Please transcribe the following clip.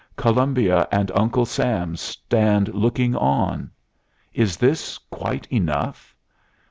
Columbia and Uncle Sam stand looking on. Is this quite enough?